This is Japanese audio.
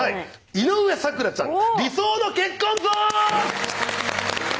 「井上咲楽ちゃん理想の結婚像」！